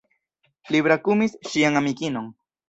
Li brakumis ŝian amikinon.